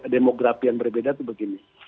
demografi yang berbeda itu begini